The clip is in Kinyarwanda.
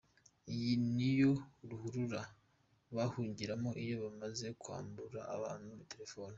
Iyi niyo ruhurura bahungiramo iyo bamaze kwambura abantu letefone.